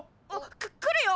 く来るよ！